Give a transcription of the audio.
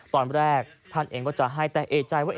ตอนแรกท่านเองก็จะให้แต่เอกใจว่า